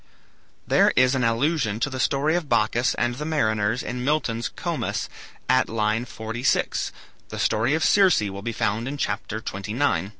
There is an allusion to the story of Bacchus and the mariners in Milton's "Comus," at line 46, The story of Circe will be found in CHAPTER XXIX.